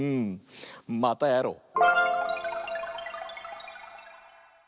またやろう！